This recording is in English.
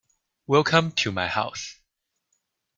Welcome to my house.